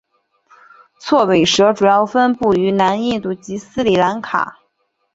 锉尾蛇主要分布于南印度及斯里兰卡。